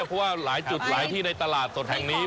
เพราะว่าหลายจุดหลายที่ในตลาดสดแห่งนี้